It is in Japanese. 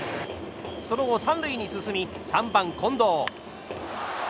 その後、３塁に進み３番、近藤。